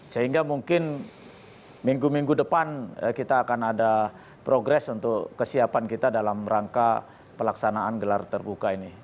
sehingga mungkin minggu minggu depan kita akan ada progres untuk kesiapan kita dalam rangka pelaksanaan gelar terbuka ini